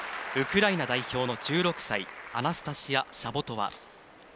ウクライナ代表の１６歳アナスタシア・シャボトワ。